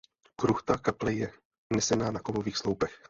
Kruchta kaple je nesena na kovových sloupech.